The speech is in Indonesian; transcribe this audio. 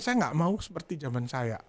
saya nggak mau seperti zaman saya